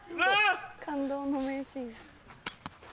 感動の名シーン。